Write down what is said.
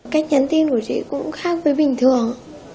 cách nhắn tin của chị cũng khác với bình thường